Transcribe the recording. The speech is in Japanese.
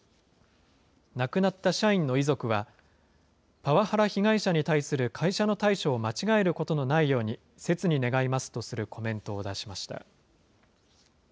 亡くなった社員の遺族は、パワハラ被害者に対する会社の対処を間違えることのないように切に願いますとするコメントを出しました。